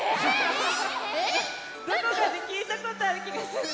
え⁉どこかできいたことあるきがするね。